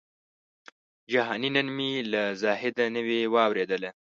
جهاني نن مي له زاهده نوې واورېدله